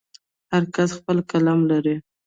هر کس خپل قلم لري.